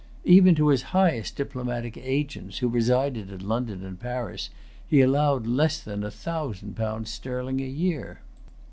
Even to his highest diplomatic agents, who resided at London and Paris, he allowed less than a thousand pounds sterling a year.